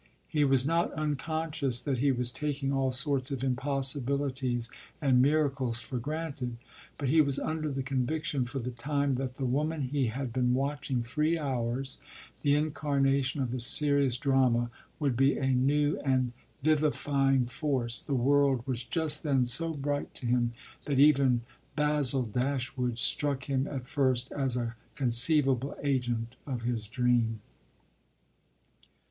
He was not unconscious that he was taking all sorts of impossibilities and miracles for granted; but he was under the conviction, for the time, that the woman he had been watching three hours, the incarnation of the serious drama, would be a new and vivifying force. The world was just then so bright to him that even Basil Dashwood struck him at first as a conceivable agent of his dream.